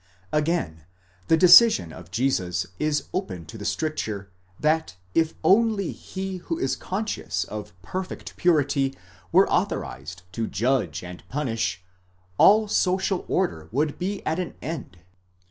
Again, the decision of Jesus is open to the stricture, that if only he who is conscious of perfect purity were authorized to judge and punish, all social order would be at an end.